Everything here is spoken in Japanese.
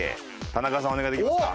田中さんお願いできますか？